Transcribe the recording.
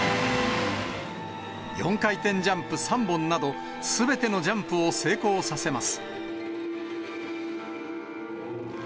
４回転ジャンプ３本など、すべてのジャンプを成功させます。